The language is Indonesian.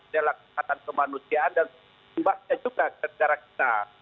dalam kematian kemanusiaan dan juga kejarak kita